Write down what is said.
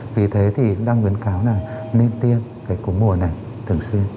vì thế thì đăng quyến cáo là nên tiêm cái cúng mùa này thường xuyên